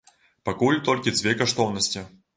Пакуль толькі дзве каштоўнасці.